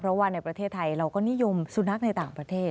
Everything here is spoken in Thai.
เพราะว่าในประเทศไทยเราก็นิยมสุนัขในต่างประเทศ